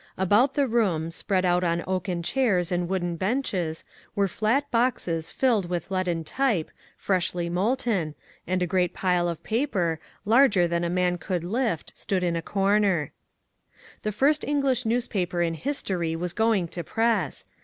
About the room, spread out on oaken chairs and wooden benches, were flat boxes filled with leaden type, freshly molten, and a great pile of paper, larger than a man could lift, stood in a corner. The first English newspaper in history was going to press.